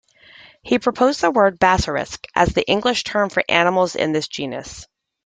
He proposed the word "bassarisk" as the English term for animals in this genus.